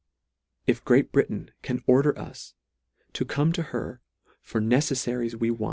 If Great Britain can order us to come to her for necelfaries we LETTER II.